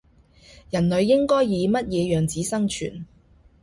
人類應該以乜嘢樣子生存